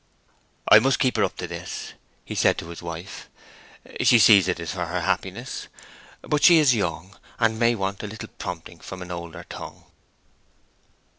"I must keep her up to this," he said to his wife. "She sees it is for her happiness; but still she's young, and may want a little prompting from an older tongue."